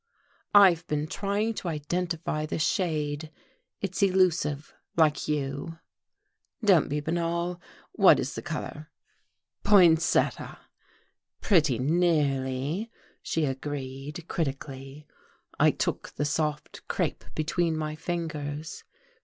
"I've been trying to identify the shade. It's elusive like you." "Don't be banal.... What is the colour?" "Poinsetta!" "Pretty nearly," she agreed, critically. I took the soft crepe between my fingers.